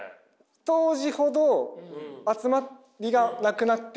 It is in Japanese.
当時ほど集まりがなくなってきてはいます。